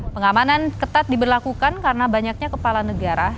pengamanan ketat diberlakukan karena banyaknya kepala negara